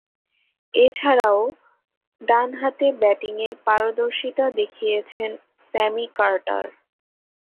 এছাড়াও, ডানহাতে ব্যাটিংয়ে পারদর্শীতা দেখিয়েছেন স্যামি কার্টার।